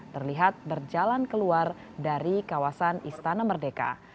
terlihat berjalan keluar dari kawasan istana merdeka